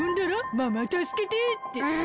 「ママたすけて」って。